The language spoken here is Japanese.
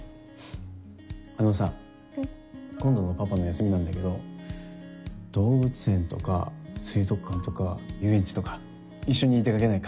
あのさ今度のパパの休みなんだけど動物園とか水族館とか遊園地とか一緒に出かけないか？